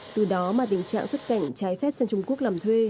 từ đó mà tình trạng xuất cảnh trái phép sang trung quốc làm thuê